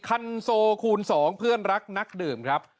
คันโซคูณ๒เพื่อนรักนักดื่มครับ